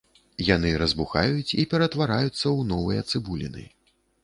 Яны разбухаюць і ператвараюцца ў новыя цыбуліны.